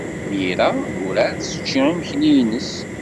Mira werɛad tecci imekli-nnes.